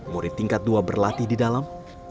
murid tingkat dua berlatih di dalam